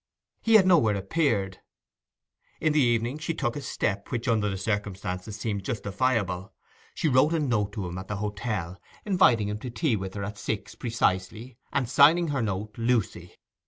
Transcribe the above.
He had nowhere appeared. In the evening she took a step which under the circumstances seemed justifiable; she wrote a note to him at the hotel, inviting him to tea with her at six precisely, and signing her note 'Lucy.